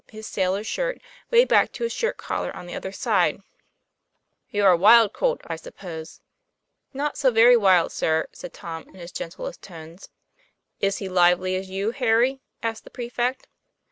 his sailor shirt way back to his shirt collar on the other side." "You're a wild colt, I suppose." "Not so very wild, sir," said Tom in his gentlest tones. "Is he lively as you, Harry?" asked the prefect.